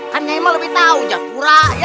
kan nyai mah lebih tau jatuh urak ya